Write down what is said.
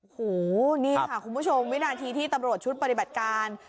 โอ้โหนี่ค่ะคุณผู้ชมวินาทีที่ตำรวจชุดปฏิบัติการ